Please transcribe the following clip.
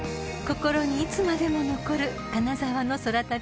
［心にいつまでも残る金沢の空旅です］